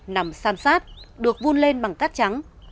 nằm sam sát được vun lên bằng cát trắng